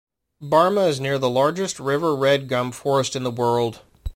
Barmah is near the largest river red gum forest in the world.